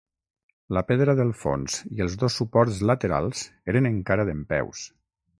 La pedra del fons i els dos suports laterals eren encara dempeus.